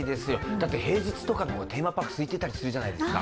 だって平日の方がテーマパークすいてたりするじゃないですか。